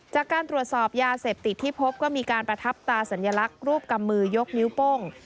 จากการตรวจสอบยาเสพติดที่พบก็มีการประทับตาสัญลักษณ์รูปกำมือยกนิ้วโป้ง